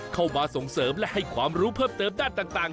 เข้ามาส่งเสริมและให้ความรู้เพิ่มเติมด้านต่าง